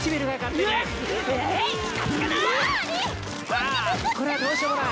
あこれはどうしようもない。